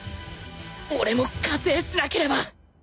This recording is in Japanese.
俺も加勢しなければ